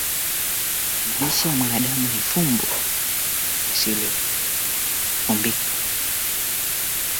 alishinda Brusu kutoka Byzantine na kuifanya mji mkuu wao